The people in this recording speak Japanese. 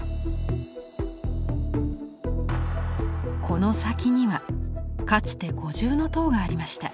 この先にはかつて五重塔がありました。